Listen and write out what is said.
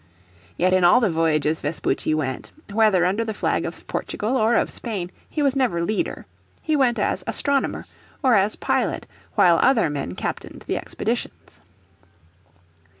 Yet in all the voyages Vespucci went, whether under the flag of Portugal or of Spain, he was never leader. He went as astronomer, or as pilot, while other men captained the expeditions.